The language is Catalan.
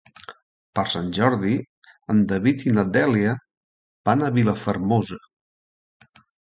Per Sant Jordi en David i na Dèlia van a Vilafermosa.